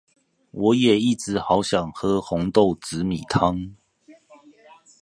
我也一直好想喝紅豆紫米湯